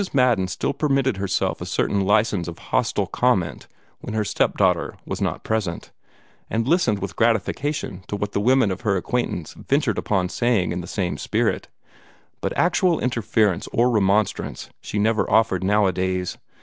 Madden still permitted herself a certain license of hostile comment when her step daughter was not present, and listened with gratification to what the women of her acquaintance ventured upon saying in the same spirit; but actual interference or remonstrance she never offered nowadays.